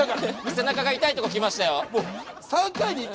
背中が痛いとこきました